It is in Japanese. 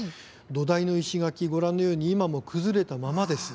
土台の石垣、ご覧のように今も崩れたままです。